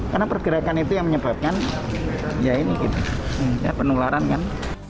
karena pergerakan itu yang menyebabkan ya ini gitu penularan kan